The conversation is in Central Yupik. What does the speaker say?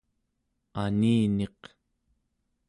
aniniq